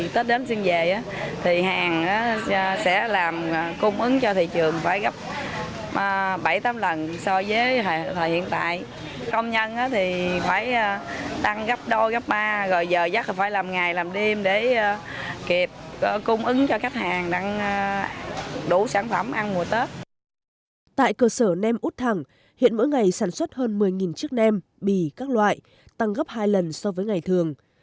tại cơ sở nem út thẳng hiện mỗi ngày sản xuất hơn một mươi chiếc nem bì các loại tăng gấp hai lần so với ngày thường